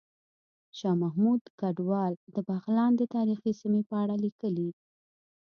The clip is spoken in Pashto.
شاه محمود کډوال د بغلان د تاریخي سیمې په اړه ليکلي